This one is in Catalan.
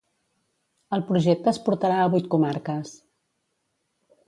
El projecte es portarà a vuit comarques.